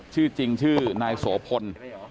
ชื่อจริงชื่อนายโสพล